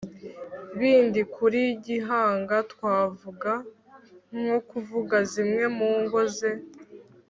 bindi kuri Gihanga Twavuga nko kuvuga zimwe mu ngo ze